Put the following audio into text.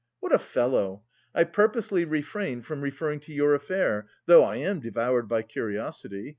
"What a fellow! I purposely refrained from referring to your affair, though I am devoured by curiosity.